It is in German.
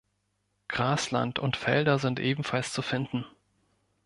Grasland und Felder sind ebenfalls zu finden.